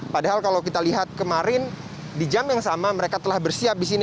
padahal kalau kita lihat kemarin di jam yang sama mereka telah bersiap di sini